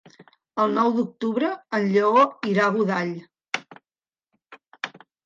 El nou d'octubre en Lleó irà a Godall.